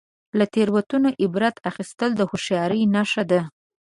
• له تیروتنو عبرت اخیستل د هوښیارۍ نښه ده.